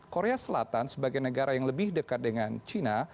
korea selatan sebagai negara yang lebih dekat dengan cina